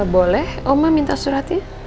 boleh om minta suratnya